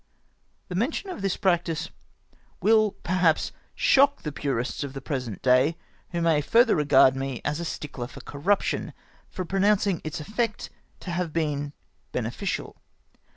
The mention of tliis practice will, perhaps, shock the pmists of the present day, who may further regard me as a stickler for corruption, for pronouncing its effect to have been beneficial.